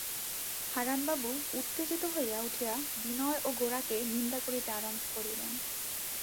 হারানবাবু উত্তেজিত হইয়া উঠিয়া বিনয় ও গোরাকে নিন্দা করিতে আরম্ভ করিলেন।